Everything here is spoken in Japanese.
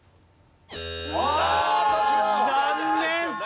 残念！